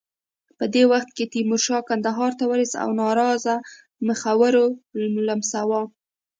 په دې وخت کې تیمورشاه کندهار ته ورسېد او ناراضه مخورو لمساوه.